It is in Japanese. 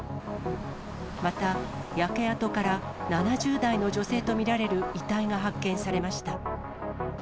また、焼け跡から７０代の女性と見られる遺体が発見されました。